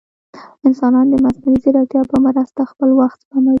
انسانان د مصنوعي ځیرکتیا په مرسته خپل وخت سپموي.